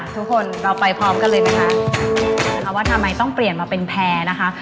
ทุกคนเราไปพร้อมกันเลยไหมคะนะคะว่าทำไมต้องเปลี่ยนมาเป็นแพร่นะคะ